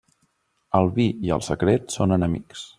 El vi i el secret són enemics.